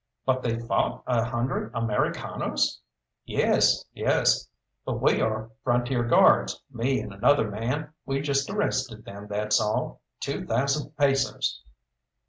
"But they fought a hundred Americanos!" "Yes, yes, but we are Frontier Guards me and another man; we just arrested them, that's all. Two thousand pesos!"